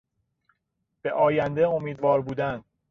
به آینده امیدوار بودن